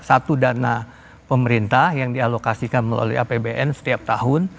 satu dana pemerintah yang dialokasikan melalui apbn setiap tahun